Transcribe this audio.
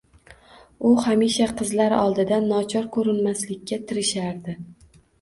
U hamisha qizlari oldida nochor ko‘rinmaslikka tirishardi